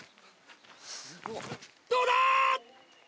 どうだ？